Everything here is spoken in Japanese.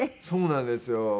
そうなんですよ。